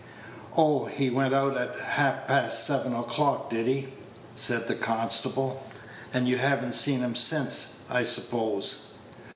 "Oh, he went out at half past seven o'clock, did he?" said the constable; "and you have n't seen him since, I suppose?"